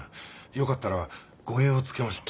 よかったら護衛をつけましょう。